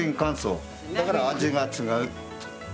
だから味が違う。